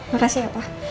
makasih ya pak